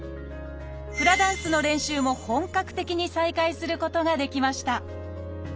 フラダンスの練習も本格的に再開することができました。